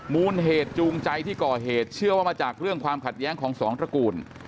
มูลเหตุจูงใจที่ก่อเหตุเชื่อว่ามาจากเรื่องความขัดแย้งของสองตระกูล